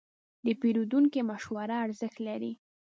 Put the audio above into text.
د پیرودونکي مشوره ارزښت لري.